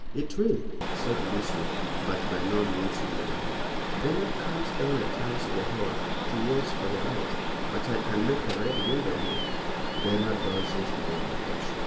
"It will," said Lucy, but by no means willingly. "Bernard comes down at times to the Hall to watch for the light. But I can make a Red Window here." "Bernard doesn't know the house."